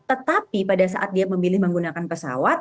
tetapi pada saat dia memilih menggunakan pesawat